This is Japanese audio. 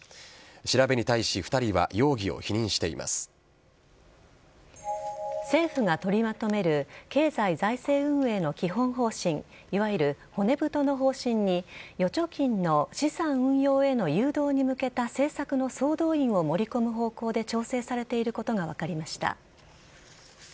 調べに対し２人は政府がとりまとめる経済財政運営の基本方針いわゆる骨太の方針に預貯金の資産運用への誘導に向けた政策の総動員を盛り込む方向で調整されていることが分かりました。